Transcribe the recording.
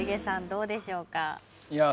どうでしょうか？